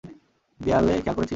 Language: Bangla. দেয়ালে খেয়াল করেছিস?